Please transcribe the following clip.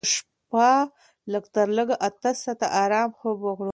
باید هره شپه لږ تر لږه اته ساعته ارامه خوب وکړو.